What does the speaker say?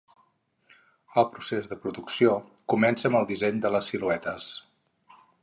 El procés de producció començava amb el disseny de les siluetes.